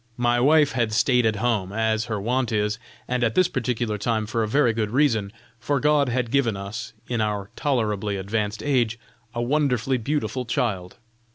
My wife had stayed at home, as her wont is, and at this particular time for a very good reason, for God had given us, in our tolerably advanced age, a wonderfully beautiful child.